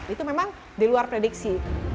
itu memang di luar prediksi